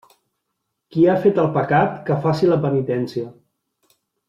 Qui ha fet el pecat, que faci la penitència.